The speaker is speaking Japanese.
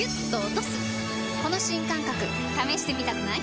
この新感覚試してみたくない？